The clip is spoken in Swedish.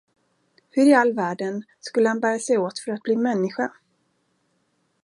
Hur i all världen skulle han bära sig åt för att bli människa?